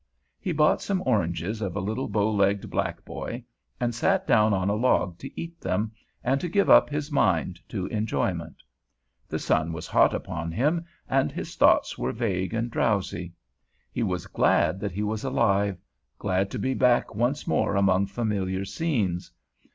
He bought some oranges of a little, bowlegged black boy, and sat down on a log to eat them and to give up his mind to enjoyment. The sun was hot upon him, and his thoughts were vague and drowsy. He was glad that he was alive, glad to be back once more among familiar scenes.